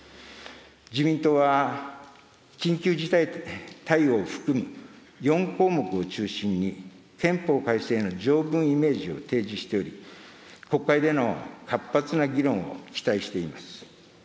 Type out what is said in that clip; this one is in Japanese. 自民党は、緊急事態対応を含む４項目を中心に、憲法改正の条文イメージを提示しており、国会での活発な議論を期待しています。